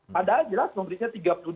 padahal jelas memberinya tiga puluh dua